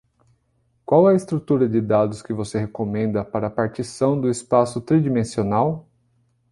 Qual a estrutura de dados que você recomenda para partição do espaço tridimensional?